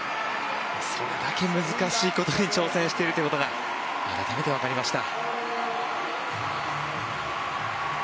それだけ難しいことに挑戦しているということが改めて分かりました。